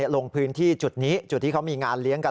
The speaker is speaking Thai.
ลงพื้นที่จุดนี้จุดที่เขามีงานเลี้ยงกัน